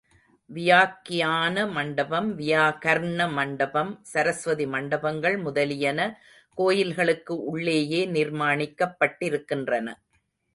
வியாக்யான மண்டபம், வியாகர்ண மண்டபம், சரஸ்வதி மண்டபங்கள் முதலியன கோயில்களுக்கு உள்ளேயே நிர்மாணிக்கப் பட்டிருக்கின்றன.